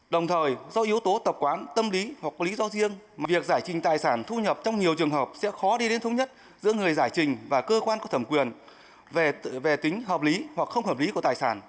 đồng thời do yếu tố tập quán tâm lý hoặc lý do riêng việc giải trình tài sản thu nhập trong nhiều trường hợp sẽ khó đi đến thống nhất giữa người giải trình và cơ quan có thẩm quyền về tính hợp lý hoặc không hợp lý của tài sản